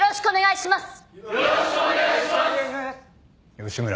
吉村。